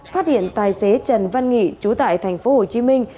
phát hiện tài xế trần văn nghị chú tại thành phố hồ chí minh